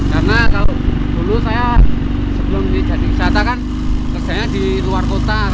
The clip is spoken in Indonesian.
karena dulu saya sebelum jadi wisata kan kerjanya di luar kota